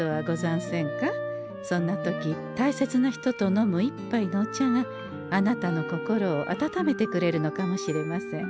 そんな時たいせつな人と飲む１杯のお茶があなたの心を温めてくれるのかもしれません。